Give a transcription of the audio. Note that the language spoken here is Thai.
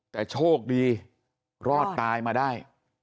แต่โชคดีรอดตายมาได้